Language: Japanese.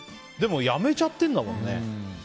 でも辞めちゃってるんだもんね。